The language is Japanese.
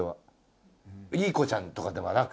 いい子ちゃんとかではなくて。